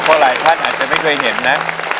เพราะหลายท่านอาจจะไม่เคยเห็นนะ